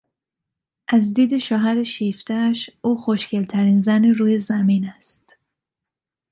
از دید شوهر شیفتهاش، او خوشگلترین زن روی زمین است.